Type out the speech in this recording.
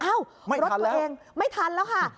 รถตัวเองไม่ทันแล้วค่ะ